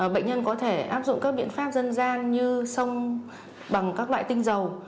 bệnh nhân có thể áp dụng các biện pháp dân gian như bằng các loại tinh dầu